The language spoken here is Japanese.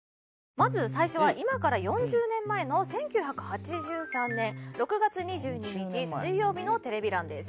まず最初は今から４０年前の１９８３年６月２２日水曜日のテレビ欄です。